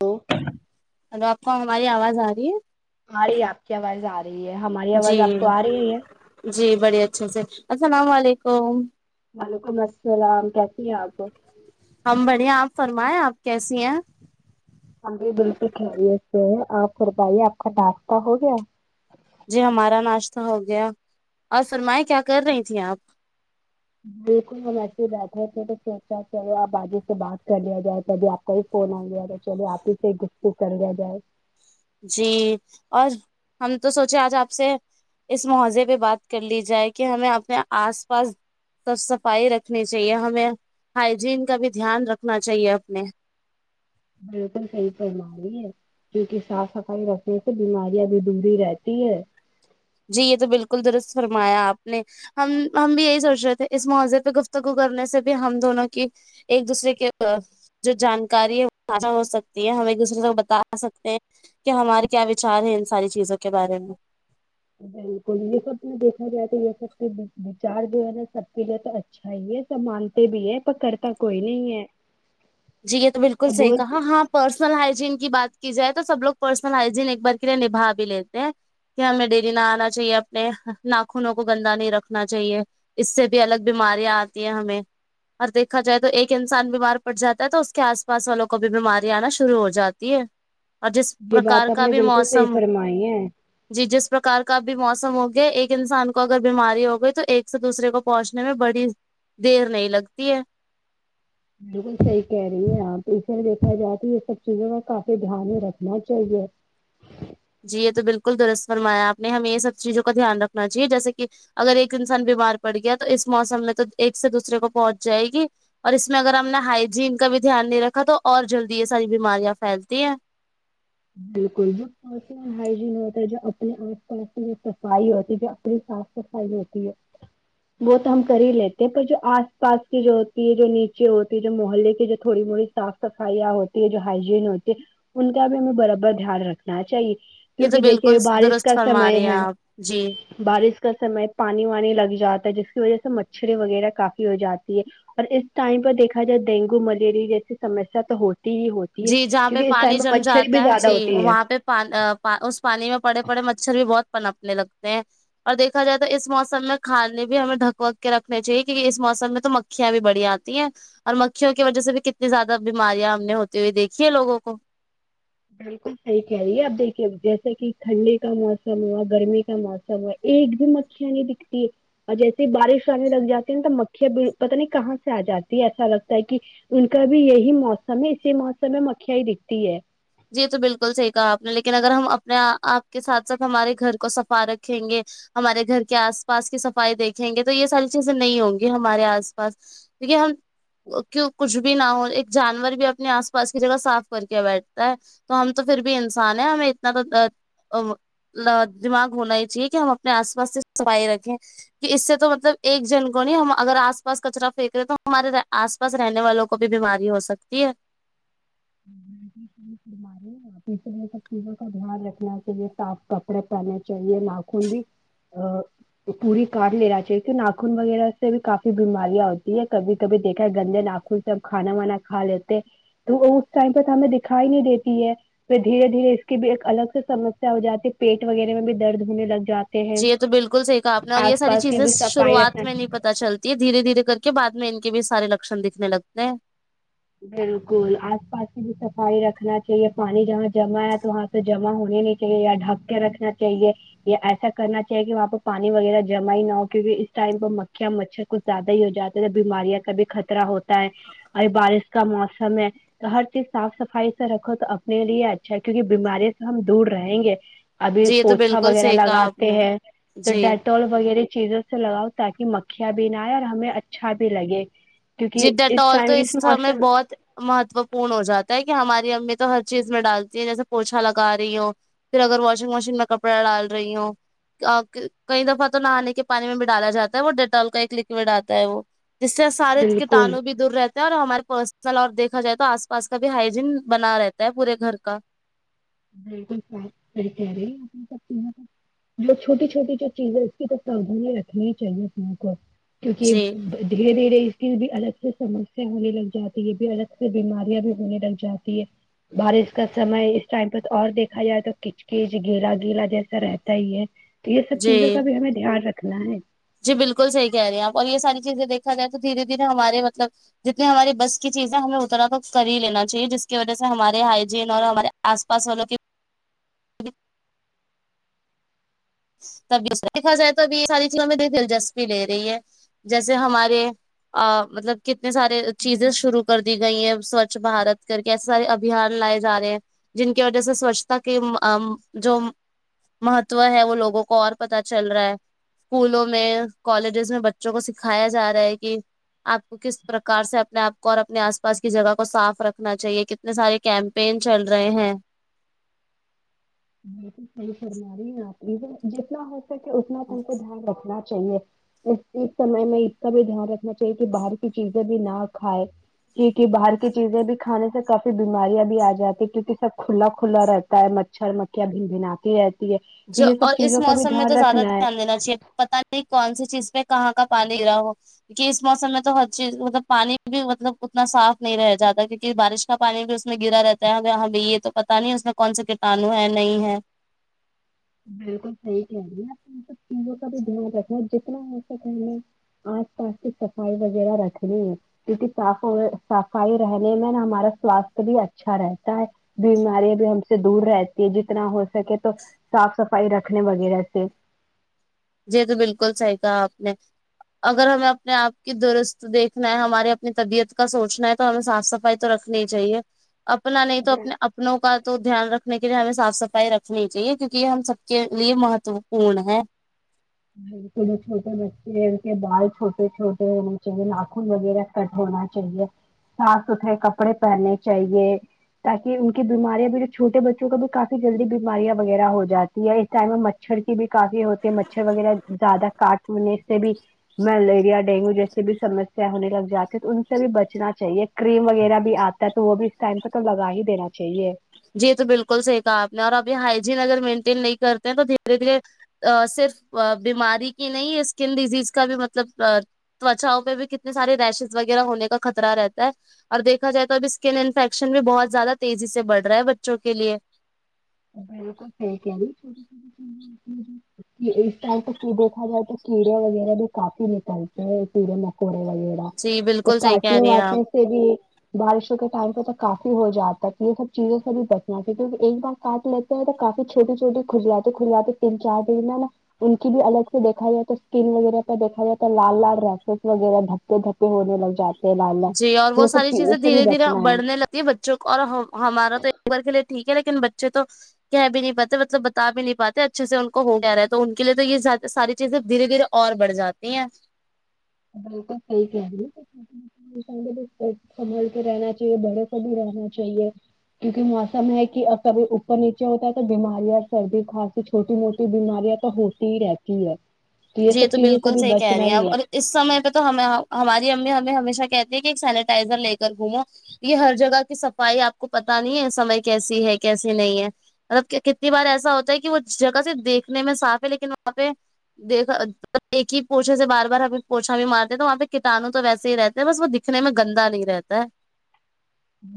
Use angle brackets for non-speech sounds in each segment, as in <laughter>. تو ہلو آپ کو ہماری آواز آ رہی ہے آ رہی ہے آپ کی آواز آ رہی ہے ہماری آواز آپ کو آ رہی ہے جی بڑی اچھے سے السلام علیکم وعلیکم السلام کیسی ہیں آپ ہم بڑھیا آپ فرمائیں آپ کیسی ہیں ہم بھی بلکل خیریت سے ہے آپ ہر بتائیے آپ کا ڈاستہ ہو گیا جی ہمارا ناشتہ ہو گیا اور فرمائیں کیا کر رہی تھیں آپ بلکل ہم ایسے ہی بیٹھے تھے تو چلو آپ باجی سے بات کر لیا جائے تبھی آپ کوئی فون آ گیا تھا چلو آپ ہی سے گفتگو کر لیا جائے جی اور ہم تو سوچے آج آپ سے اس ماوضے پہ بات کر لی جائے کہ ہمیں اپنے آس پاس تو صفائی رکھنی چاہیے ہمیں ہائجین کا بھی دھیان رکھنا چاہیے اپنے بلکل سہی فرما ر ہی ہے کیونکہ صاف صفائی رکھنے سے بیماریاں بھی دوری رہتی ہے جی یہ تو بلکل درست فرمایا آپ نے ہم ہم بھی یہی سوچ رہے تھے اس ماضرے پہ گفتگو کرنے سے بھی ہم دونوں کی ایک دوسرے کے جو جانکاری ہے وہ خا ہو سکتی ہے ہم ایک دوسرے کو بتا سکتے ہیں کہ ہمارے کیا وچار ہے ان ساری چیزوں کے بارے میں بلکل یہ سب نے دیکھا جائے تو یہ سب کے چار جو ہے نا سب کے لیے تو اچھا اچھا یہ ہے سب مانتے بھی ہے پر کرتا کوئی نہیں ہے جی یہ تو بلکل سہی ابول کہاں ہاں پرسنل ہائجین کی بات کی جائے تو سب لوگ پرسنل ہائجین ایک بار کے لیے نبھا بھی لیتے ہیں کہ ہمیں ڈیری ناہنا چاہیے اپنے ناخنوں کو گندا نہیں رکھنا چاہیے اس سے بھی الگ بیماریاں آتی ہیں ہمیں اور دیکھا جائے تو ایک انسان بیمار پڑ جاتا تو اس کے آس پاس والوں کو بھی بیماری آنا شروع ہو جاتی ہے اور جس یہ پرکار بات آپ کا نے بھی بالکل صحیح موسم فرمائی ہے جی جس پرکار کا بھی موسم ہو گیا ایک انسان کو اگر بیماری ہو گئی تو ایک سے دوسرے کو پہنچنے میں بڑی دیر نہیں لگتی ہے بالکل صحیح کہہ رہی ہیں آپ اسے دیکھا جائے تو یہ سب چیزوں میں کافی دھیان میں رکھنا چاہیے جی یہ تو بالکل درست فرمایا آپ نے ہمیں یہ سب چیزوں کا دھیان رکھنا چاہے جیسے کے اگر ایک انسان بیمار پڑ گیا تو اس موسم میں تو ایک سے دوسرے کو پہنچ جائے گی اور اس میں اگر ہم نے ہائجین کا بھی دھیان نہیں رکھا تو اور جلدی یہ ساری بیماریاں پھیلتی ہیں بالکل اور ہائجین ہوتا ہے جو اپنے آس پاس کی جو صفائی ہوتی ہے جو اپنی صاف صفائی ہوتی ہے وہ تو ہم کر ہی لیتے ہیں پر جو آس پاس کی جو ہوتی ہے جو نیچے ہوتی ہے جو محلے کی جو تھوڑی موڑی صاف صفائیاں ہوتی ہیں جو ہائجین ہوتی ہے ان کا بھی ہمیں برابر دھیان رکھنا چاہیے یہ تو کیونکہ بالکل دیکھیے بارش درست کا فرما سمے رہے ہیں ہے آپ جی بارش کا سمے پانی وانی لگ جاتا ہے جس کی وجہ سے مچھرئیں وغیرہ کافی ہو جاتی ہیں اور اس ٹائم پہ دیکھا جائے ڈینگو ملیریا جیسی سمسیا تو ہوتی ہی ہوتی جی جہاں پہ کیونکہ اس ٹائم میں مچھرئیں بھی زیادہ ہوتی ہے پاں ا اس پانی میں پڑے پڑے مچھر بھی بہت پنپنے لگتے ہیں اور دیکھا جائے تو اس موسم میں کھانے بھی ہمیں ڈھک وک کے رکھنے چاہیے کیونکہ اس موسم میں تو مکھیاں بھی بڑی آتی ہیں اور مکھیوں کی وجہ سے بھی کتنی زیادہ بیماریاں ہم نے ہوتی ہوئی دیکھی ہے لوگوں کو بالکل صحیح کہے رہی اب دیکھیے جیسے کہ ٹھنڈے کا موسم ہو گرمی کا موسم ہے ایک بھی مکھیاں نہیں دکھتی ہے اور جیسے بارش آنے لگ جاتی ہیں نا تو مکھیاں پتا نہیں کہاں سے آ جاتی ہے ایسا لگتا ہے کہ ان کا بھی یہی موسم ہے اسی موسم میں مکھیاں ہی دکھتی ہے جی تو بالکل صحیح کہا آپ نے لیکن اگر ہم اپنے آپ کے ساتھ ساتھ ہمارے گھر کو صفا رکھیں گے ہمارے گھر کے آس پاس کی صفائی دیکھیں گے تو یہ ساری چیزیں نہیں ہوں گی ہمارے آس پاس دیکھئے ہم کیوں کچھ بھی نہ ہو ایک جانور بھی اپنے آس پاس کی جگہ صاف کر کے بیٹھ تا ہے تو ہم تو پھر بھی انسان ہے ہمیں اتنا تو ا ت دماغ ہونا ہی چاہیے کہ ہم اپنے آس پاس سے صفائی رکھیں کہ اس سے تو مطلب ایک جن کو نہیں ہم اگر آس پاس کچرا پھینک رہے تو ہمارے آس پاس رہنے والوں کو بھی بیماری ہو سکتی ہے <unintelligible> یہ سب چیزوں کا دھیان رکھنا چاہیے صاف کپڑے پہنے چاہیے ناخن بھی ہ پوری کاٹ لینا چاہیے کی ناخن وغیرہ سے بھی کافی بیماریاں ہوتی ہیں کبھی کبھی دیکھا ہے گندے ناخن جب کھانا وانا کھا لیتے تو وہ اس ٹائم پہ تو ہمیں دکھائی نہیں دیتی ہے پھر دھیرے دھیرے اس کی بھی ایک الگ سے سمسیا ہو جاتی ہے پیٹ وغیرہ میں بھی درد ہونے لگ جاتا جی یہ تو بالکل صحیح کہا آپ نے اور یہ ساری کی چیزیں بھی صفائی شروعات رکھنا میں نہیں پتا چل یہ دھیرے دھیرے کر کے بعد میں ان کے بھی سارے لکشن دیکھنے لگتے ہیں بالکل آس پاس کی بھی صفائی رکھنا چاہیے پانی جہاں جمع ہے تو وہاں تو جمع ہونے نہیں چاہیے یا ڈھک کے رکھنا چاہیے یا ایسا کرنا چاہیے کہ وہاں پہ پانی وغیرہ جمع ہی نہ ہو کیونکہ اس ٹائم پ مکھیاں مچھر کچھ زیادہ ہی ہو جاتے بیماریاں کا بھی خطرہ ہوتا ہے اور بارش کا موسم ہے تو ہر چیز صاف صفائی سے رکھو تو اپنے لیے اچھا ہے کیونکہ بیماریوں سے ہم دور رہیں گے ابھی جی یہ تو پوچھا بالکل وغیرہ صحیح کہا آپ لگاتے نے ہیں تو جی ڈ ٹال وغیرہ چیزوں سے لگاؤ تاکہ مکھیاں بھی نہ آئے اور ہمیں اچھا بھی لگے جی کیونکہ ڈٹال تو ٹائم اس سمے موسم بہت مہتو پورن ہو جاتا ہے کہ ہماری امی تو ہر چیز میں ڈالتی ہیں جیسے پوچھا لگا رہی ہوں پھر اگر واشنگ مشین میں کپڑا ڈال رہی ہوں کئی دفعہ تو نہانے کے پانی میں بھی ڈالا جاتا ہے وہ ڈٹال کا ایک لکوڈ آتا ہے وہ جس سے سارے بالکل کٹانوں بھی دور رہتا ہے اور ہمارے پرسنل اور دیکھا جائے تو آس پاس کا بھی ہائجین بنا رہتا ہے پورے گھر کا <inaudible> جو چھوٹی چھوٹی جو چیز ہے اس کو قابو میں رکھنی ہی چاہیے اپنے کو کیونکہ جی دھیرے دھیرے اس کی بھی الگ سے سمسیا ہونے لگ جاتی ہے بھی الگ سے بیماریاں بھی ہونے لگ جاتی ہے بارش کا سمے ٹائم پر اور دیکھا جائے تو کچ کچ گیلا گیلا جیسا رہتا ہی ہے تو یہ سب چیزوں جی کا بھی ہمیں دھیان رکھنا ہے جی بالکل صح کہہ رہی آپ اور یہ ساری چیزیں دیکھا جائے تو دھیرے دھیرے ہمارے مطلب جتنی ہماری بس کی چیزیں ہمیں اتنا تو کر ہی لینا چاہیے جس کی وجہ سے ہمارے ہائیجین اور ہمارے آس پاس والو کہ تبھی دیکھا جائے تو اب یہ ساری چیزوں میں دلچسپی لے رہی ہے جیسے ہمارے ا مطلب کتنے سارے چیزیں شروع کر دی گئی ہیں سوچھ بھارت کر کے کیسے سارے ابھیان لائے جا رہے ہیں جن کی وجہ سے سوچھتا کی ام ام جو مہت وہ ہے وہ لوگوں کو اور پتا چل رہا ہے اسکولوں میں کالجز میں بچوں کو سکھایا جا رہا ہے کہ آپ کو کس پرکار سے اپنے آپ کو اور اپنے آس پاس کی جگہ کو صاف رکھنا چاہیے کتنے سارے کیمپین چل رہے ہیں بالکل سہی فرماری ہیں آپ جتنا ہو سکے اتنا ہم کو دھیان رکھنا چاہے اس اس سمے میں اس کا بھی دھیان رکھنا چاہیے کہ باہر کی چیزیں بھی نہ کھائے جی جی باہر کی چیزیں بھی کھانے سے کافی بیماریاں بھی آ جاتی کیونکہ سب کھلا کھلا رہتا ہوتا ہے مچھر مکیا بن بھین آتی ہے تو جو یہ سب اور اس چیزوں کا بھی موسم میں تو دھیان زیادہ رکھنا ہے دھیان دینا چاہیے پتہ نہیں نہیں کون سی چیز پے کہاں کا پانی ملا ہو کہ اس موسم میں تو ہر چیز مطلب پانی بھی مطلب اتنا صاف نہیں رہ جاتا کیونکہ بارش کا پانی بھی اس میں گرا رہتا ہے ہمیں یہ تو پتا نہیں اس میں کون سے کیٹانو ہے نہیں ہے بالکل صحیح کہہ رہیے آپ ان سب چیزوں کا بھی دھیان رکھنا جتنا ہو سکے میں آس پاس کی صفائی وغیرہ رکھنی ہے کیونکہ صاف صفائی رہنے میں نا ہمارا سواستھ بھی اچھا رہتا ہے بیماریاں بھی ہم سے دور رہتی ہے جتنا ہو سکے تو صاف صفائی رکھنے وغیرہ سے جی تو بالکل صحیح کہہ آپ نے اگر ہمیں اپنے آپ کی درست دیکھنا ہے ہماری اپنی طبیعت کا سوچنا ہے تو ہمیں صاف سفائی تو رکھنی ہی چاہیے اپنا نہیں تو اپنے اپنوں کا تو دھیان رکھنے کے لیے ہمیں صاف صفائی رکھنی ہی چاہیے کیونکہ یہ ہم سب کے لیے مہتوپورن ہے <unintelligible> جنہیں چھوٹے بچے ہیں ان کے بال چھوٹے چھوٹے ہونے چاہیے ناخن وغیرہ کٹ ہونا چاہیے صاف ستھرے کپڑے پہننے چاہیے تاکہ ان کی بیماریاں بھی جو چھوٹے بچوں کو بھی کافی جلدی بیماریاں وغیرہ ہو جاتی ہے اس ٹائم میں مچھر کی بھی کافی ہوتی مچھر وغیرہ زیادہ کاٹنے سے بھی ملیریا ڈینگو جیس بھی سمسیا ہونے لگ جاتی ہیں تو ان سے بھی بچنا چاہیے کریم وغیرہ بھی آتا ہے تو وہ بھی اس ٹائم پہ تو لگا ہی دینا چاہیے جی تو بالکل صحیح کہہ آپ نے اور ابھی ہائیجین اگر مینٹین نہیں کرتے ہیں تو دھیرے دھیرے صرف بیماری کی نہیں اسکن ڈیزیز کا بھی مطلب تچاؤ میں بھی کتنے سارے ریشز وغیرہ ہونے کا خطرہ رہتا ہے اور دیکھا جائے تو اب اسکن انفیکشن بھی بہت زیادہ تیزی سے بڑھ رہا ہے بچوں کے لیے <inaudible> کیڑے وغیرہ بھی کافی نکلتے ہیں کیڑے مکوڑے وغیرہ جی تو بالکل صحیح کہہ کاٹنے رہی ہیں وات آپ سے بھی بارشوں کے ٹائم پہ تو کافی ہو جاتا ہے یہ سب چیزوں سے بھی بچنا چاہئے کیونکہ ایک بار کاٹ لیتے ہیں تو کافی چھوٹی چھوٹی کھل جاتے کھلاتے تین چار دن ہے نا ان کی بھی الگ سے دیکھا جائے تو اسکن وغیرہ پر دیکھا جائے تو لال لال ریشز وغیرہ دک تو دھپے ہونے لگ جاتے ہیں لال لال جی اور وہ سب ساری چیزوں چیزیں سے بھی دھیرے دھیرے بچنا ہے بڑنے لگ بچوں کو اور ہمارا تو ایک بار کے لیے ٹھیک ہے لیکن بچے تو کہہ بھی نہیں پاتے مطلب بتا بھی نہیں پاتے اچھے سے ان کو ہو کیا رہا ہے تو ان کے لیے تو یہ ساری چیزیں دھیرے دھیرے اور بڑھ جاتی ہیں بالکل صحیح کہرہی ہو سنبھل کے رہنا چاہیے بڑے پر بھی رہنا چاہیے کیونکہ موسم ہے کہ کبھی اوپر نیچے ہوتا ہے تو بیماری اور سردی کھانسی چھوٹی موٹی بیماریاں تو ہوتی ہی رہتی ہے تو یہ جی سب چیزوں سے بالکل بھی صحیح کہہ بچنا رہی ہیں آپ ہی ہے اور اس سمے پہ تو ہمیں ہماری امی ہمیں ہمیشہ کہتی ہیں کہ ایک سینیٹائزر لے کر گھومو یہ ہر جگہ کی صفائی آپ کو پتہ نہیں ہے سمے کیسی ہے کیسی نہیں ہے مطلب کہ کتنی بار ایسا ہوتا ہے کہ وہ جگہ سے دیکھنے میں صاف ہے لیکن وہاں پہ دیکھا ایک ہی پوچھے سے بار بار ہم ہی پوچھا بھی مارتے ہیں تو وہاں پہ کٹانوں تو ویسے ہی رہتے ہیں بس وه دکھ دکھنے میں گنده نہیں رہتا ہے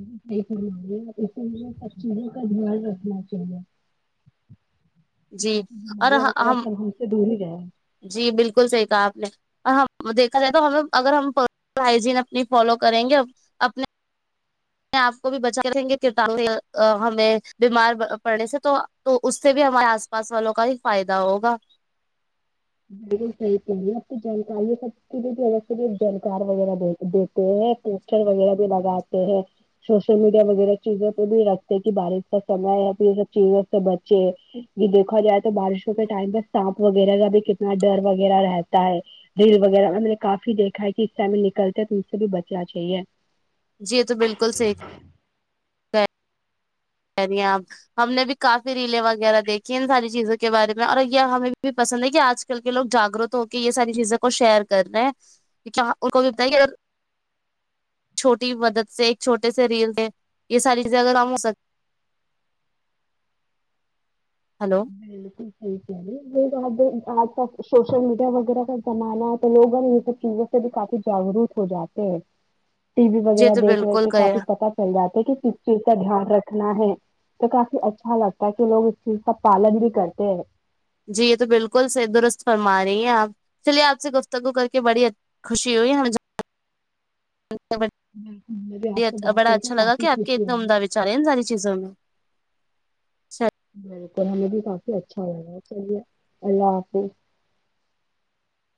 <unintelligible> سب چیزوں کا دھیان رکھنا چاہیے با جی قی اور بیماریاں وغیرہ سب ہم سے دور ہی گیا ہے جی بالکل صحیح کہا آپ نے ہم دیکھا جائے تو ہمیں اگر ہم پرا پر ہا ئی جین اپنی فالو کریں گے اپنے آپ کو بھی بچا کررکھیں گےکٹا ہمیں بیمار پڑنے سے تو تو اس سے بھی ہمارے آس پاس والوں کا ہی فائدہ ہوگا بالکل صحیح کہرہی ںے آ پ تو جانکاری یہ سب کے لیے سے جانکار وغیرہ ہیں پوسٹر وغیرہ بھی لگاتے ہیں سوشل میڈیا وغیرہ چیزوں پہ بھی رکھتے کہ بارش کا سمے ہے پھر یہ سب چیزوں سے بچے یہ دیکھا جائے تو بارشوں کے ٹائم پہ سانپ وغیرہ کا بھی کتنا ڈر وغیرہ رہتا ہے ریل وغیرہ میں نے کافی دیکھا ہے کہ اس ٹائم پے نکلتے ہیں تو ان سے بھی بچنا چاہیے جی یہ تو بالکل صحیح آپ <unintelligible> ہم نے بھی کافی ریلیں وغیرہ دیکھی ان ساری چیزوں کے بارے میں اور یہ ہمیں بھی پسند ہے کہ آج آج کل کے لوگ جاگروت ہو کے یہ ساری چیزوں کو شیئر کر رہے ہیں کیا ان کو بھی بتائیں کہ اگر چھوٹی بھی مدد سے ایک چھوٹے سے ریل دیں یہ ساری چیزیں اگر عام ہو سک ہلو بالکل یک ہے آج پ سوشل میڈیا وغیرہ کا زمانہ ہے تو لوگوں نے یہ سب چیزیں سے بھی کافی جاگروک ہو جاتے ہیں ٹی وی جی وغیرہ تو دیکھ رہے بالکل تھے کہ کافی پتک چل جاتے کہ کس چیز کا دھیان رکھنا ہے تو کافی اچھا لگتا ہے کہ لوگ اس چیز کا پالن بھی کرتے ہے جی یہ تو بالکل سے درست فرما رہی ہیں آپ چلیے آپ سے گفتگو کر کے بڑی ا خوشی ہوئی ہم جا مجھے آپ سے بات بڑا کر کے اچھا لگا کافی کہ آپ کے خوشی اتنے ہوئی عمدہ و چار ہیں ان ساری چیزوں میں بالکل ہمیں بھی کافی اچھا لگاچلئے اللہ حافظ